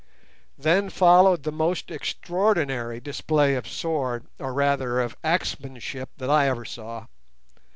Then followed the most extraordinary display of sword, or rather of axemanship, that I ever saw.